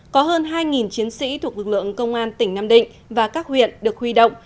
có hơn hai chiến sĩ thuộc lực lượng công an tỉnh nam định và các huyện được huy động